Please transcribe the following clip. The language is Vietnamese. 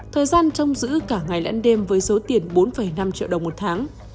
thời gian trông giữ cả ngày lãnh đêm với số tiền bốn năm triệu đồng một tháng